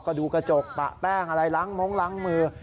ก็ดูกระจกปะแป้งอะไรล้างมงล้างมือ